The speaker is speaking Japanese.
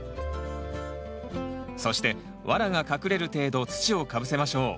そしてワラが隠れる程度土をかぶせましょう。